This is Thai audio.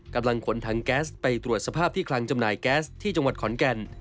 กำลังขนถังแก๊สไปตรวจสภาพที่คลังจำหน่ายแก๊สที่จังหวัดขอนแก่น